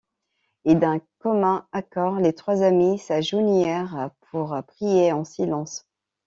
Et d’un commun accord les trois amis s’agenouillèrent pour prier en silence.